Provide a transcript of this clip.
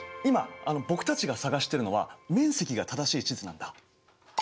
今僕たちが探してるのは面積が正しい地図なんだ。